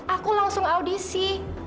aku langsung audisi